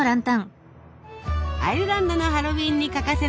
アイルランドのハロウィーンに欠かせない